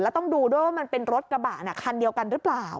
แล้วต้องดูด้วยว่ามันเป็นรถกระบะคันเดียวกันหรือเปล่า